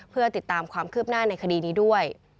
เพื่อติดตามความคืบหน้าในคดีนี้ด้วย